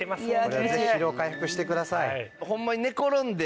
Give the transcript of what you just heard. ぜひ疲労回復してください。